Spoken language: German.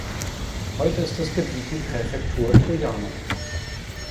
Heute ist das Gebiet die Präfektur Toyama.